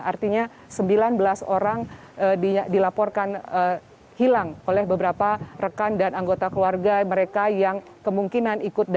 artinya sembilan belas orang dilaporkan hilang oleh beberapa rekan dan anggota keluarga mereka yang kemungkinan ikut